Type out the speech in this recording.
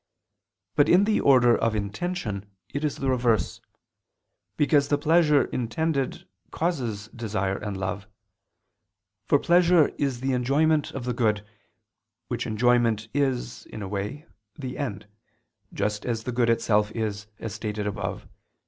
But in the order of intention, it is the reverse: because the pleasure intended causes desire and love. For pleasure is the enjoyment of the good, which enjoyment is, in a way, the end, just as the good itself is, as stated above (Q.